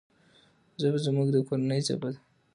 ژبه زموږ د کورنی ژبه ده.